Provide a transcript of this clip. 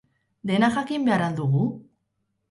Dena jakin behar al dugu?